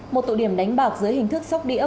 một tụ điểm đánh bạc dưới hình thức sóc đĩa